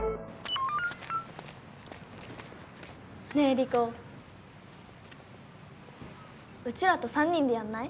リコうちらと３人でやんない？